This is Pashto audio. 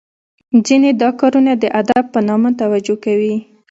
ځینې دا کارونه د ادب په نامه توجه کوي .